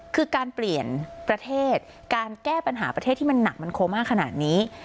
คือการเปลี่ยนประเทศการแก้ปัญหาประเทศที่มันหนักมันโคม่าขนาดนี้